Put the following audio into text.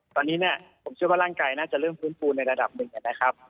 ตอนนี้เนี่ยผมเชื่อว่าร่างกายน่าจะเริ่มฟื้นฟูในระดับหนึ่งนะครับ